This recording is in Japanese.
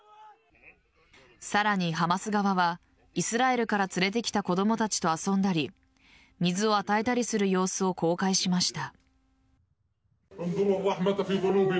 さらに、ハマス側はイスラエルから連れてきた子供たちと遊んだり水を与えたりする様子を公開しました。